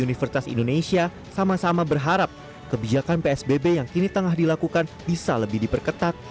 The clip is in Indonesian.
universitas indonesia sama sama berharap kebijakan psbb yang kini tengah dilakukan bisa lebih diperketat